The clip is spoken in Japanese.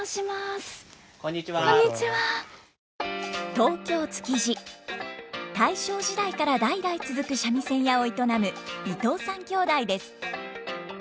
東京・築地大正時代から代々続く三味線屋を営む伊藤さん兄弟です。